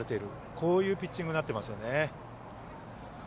こういうピッチングになっていますよね。